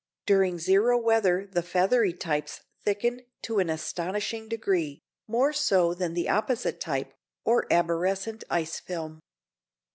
During zero weather the feathery types thicken to an astonishing degree, more so than the opposite type, or arborescent ice film.